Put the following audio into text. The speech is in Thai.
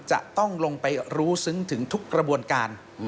จะต้องลงไปรู้ซึ้งถึงทุกกระบวนการ